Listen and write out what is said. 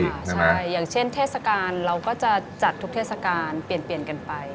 ใช่อย่างเช่นเทศกาลเราก็จะจัดทุกเทศกาลเปลี่ยนกันไป